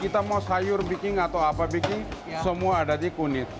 kita mau sayur bikin atau apa bikin semua ada di kuning